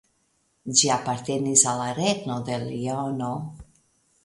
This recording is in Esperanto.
Ĝi apartenis al la Regno de Leono.